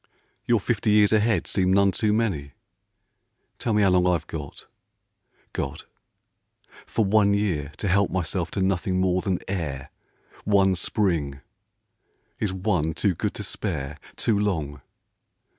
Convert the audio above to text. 56 A Terre. Your fifty years ahead seem none too many ? Tell me how long I've got ? God ! For one year To help myself to nothing more than air ! One Spring ! Is one too good to spare, too long